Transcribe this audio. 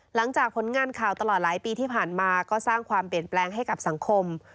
หลังจากผลงานข่าวตลอดหลายปีที่ผ่านมาก็สร้างความเปลี่ยนแปลงให้กับสังคม